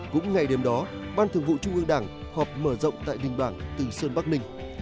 cũng ngày đêm đó ban thường vụ trung ương đảng họp mở rộng tại đình bảng từ sơn bắc ninh